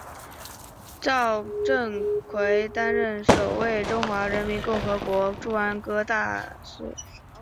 赵振魁担任首位中华人民共和国驻安哥拉大使。